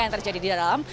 yang terjadi di dalam